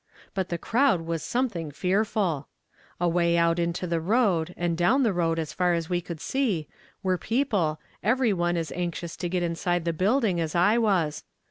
But the crowd was something fearful ! Away out into the road, and down tiie road as far as we could see, were people, every one as anxious to get inside the building as I was.